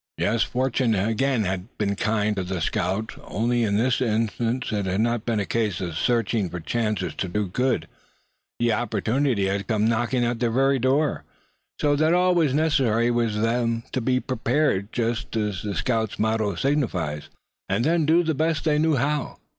Yes. Fortune had again been kind to the scouts; only in this instance it had not been a case of searching for chances to do good; the opportunity had come knocking at their very door, so that all that was necessary was for them to be prepared, just as the scout's motto signifies, and then do the best they knew how.